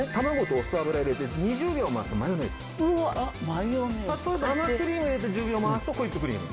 生クリーム入れて１０秒回すとホイップクリーム。